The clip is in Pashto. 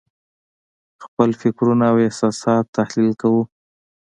خپل فکرونه او احساسات تحلیل کوو.